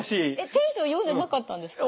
店長読んでなかったんですか？